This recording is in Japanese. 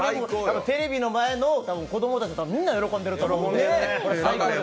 テレビの前の子供たち、みんな喜んでると思うので、最高です。